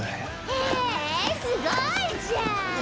へえすごいじゃん！